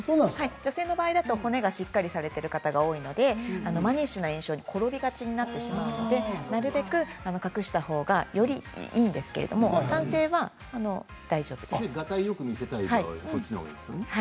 女性の場合は骨がしっかりしている人が多いのでマニッシュな印象に転びがちになってしまうので隠したほうがよりいいんですけれど男性のほうは大丈夫ですよ。